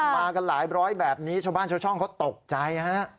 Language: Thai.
มากันหลายร้อยแบบนี้ชาวบ้านชาวช่องเขาตกใจฮะ